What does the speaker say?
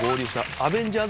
『アベンジャーズ』。